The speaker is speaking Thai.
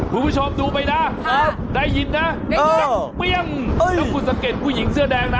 คุณผู้ชมดูไปนะได้ยินนะนักเปี้ยงถ้าคุณสังเกตผู้หญิงเสื้อแดงนะ